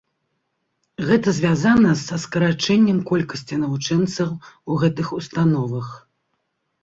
Гэта звязана са скарачэнням колькасці навучэнцаў у гэтых установах.